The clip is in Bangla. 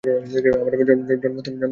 জন্মস্থান বলে কিছুই নেই।